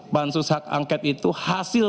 bansus hak angket itu hasil